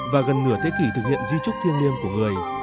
và gần nửa thế kỷ thực hiện di trúc thiêng liêng của người